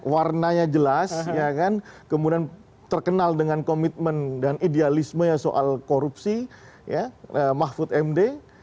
warnanya jelas kemudian terkenal dengan komitmen dan idealisme soal korupsi mahfud md